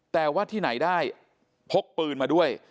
แต่ว่าที่ไหนได้พกปืนมาด้วย